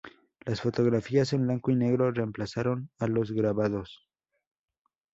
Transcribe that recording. Las fotografías en blanco y negro reemplazaron a los grabados.